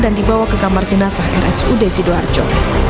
dan dibawa ke kamar jenazah rs ud sidoarjo